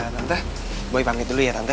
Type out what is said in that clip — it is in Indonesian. tante boy pamit dulu ya tante